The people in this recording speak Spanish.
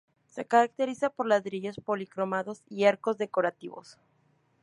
Se caracteriza por ladrillos policromados y arcos decorativos.